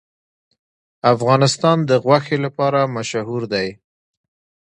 افغانستان د غوښې لپاره مشهور دی.